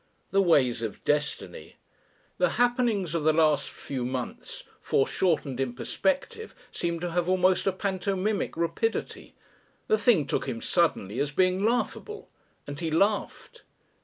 The ways of Destiny! The happenings of the last few months, foreshortened in perspective, seemed to have almost a pantomimic rapidity. The thing took him suddenly as being laughable; and he laughed.